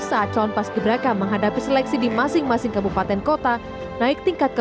saat calon pas ibraka menghadapi seleksi di masing masing kabupaten kota naik tingkat ke